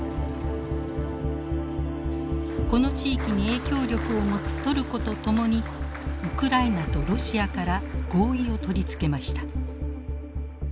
この地域に影響力を持つトルコと共にウクライナとロシアから合意を取り付けました。